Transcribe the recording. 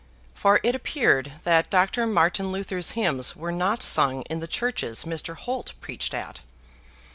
For it appeared that Dr. Martin Luther's hymns were not sung in the churches Mr. Holt preached at.